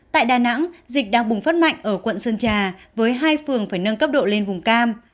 tại đà nẵng dịch đang bùng phát mạnh ở quận sơn trà với hai phường phải nâng cấp độ lên vùng cam